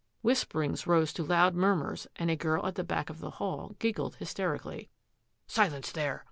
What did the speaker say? Whisperings rose to loud murmurs and a girl at the back of the hall giggled hysterically. " Silence, there